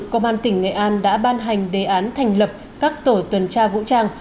công an tỉnh nghệ an đã ban hành đề án thành lập các tổ tuần tra vũ trang